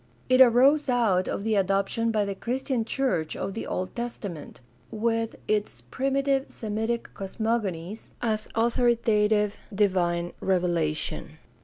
It arose out of the adoption by the Christian church of the Old Testament, with its primitive Semitic cosmogonies, as authoritative divine revelation.